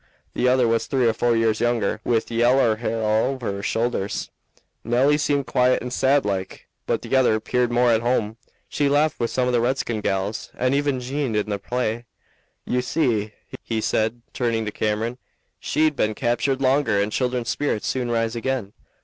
The other was three or four years younger, with yaller hair over her shoulders. Nelly seemed quiet and sad like, but the other 'peared more at home she laughed with some of the redskin gals and even jined in their play. You see," he said, turning to Cameron, "she'd been captured longer and children's spirits soon rise again.